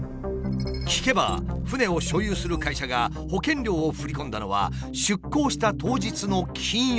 聞けば船を所有する会社が保険料を振り込んだのは出港した当日の金曜日。